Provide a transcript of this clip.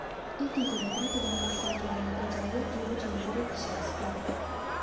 Il titolo è tratto da un passaggio della tragedia "Giulio Cesare" di Shakespeare.